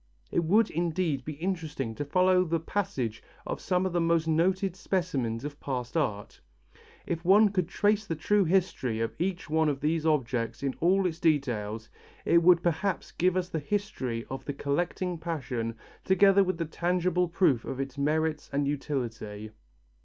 It would, indeed, be interesting to follow the passage of some of the most noted specimens of past art. If one could trace the true history of each one of these objects in all its details, it would perhaps give us the history of the collecting passion together with tangible proof of its merits and utility.